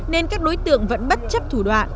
nên các đối tượng vẫn bất chấp thủ đoạn